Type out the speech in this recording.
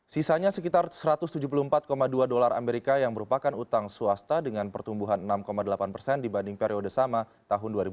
sisanya sekitar satu ratus tujuh puluh empat dua dolar amerika yang merupakan utang swasta dengan pertumbuhan enam delapan persen dibanding periode sama tahun dua ribu dua puluh